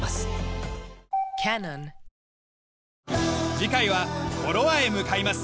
次回はコロアへ向かいます。